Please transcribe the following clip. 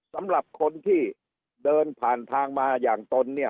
สำหรับคนที่เดินผ่านทางมาอย่างตนเนี่ย